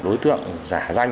đối tượng giả danh